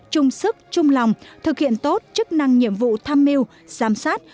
chung sức chung lòng thực hiện tốt chức năng nhiệm vụ tham mưu giám sát